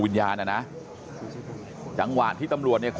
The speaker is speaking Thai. ลูกสาวหลายครั้งแล้วว่าไม่ได้คุยกับแจ๊บเลยลองฟังนะคะ